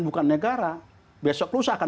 bukan negara besok lusa akan